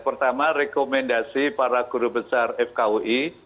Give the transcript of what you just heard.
pertama rekomendasi para guru besar fkui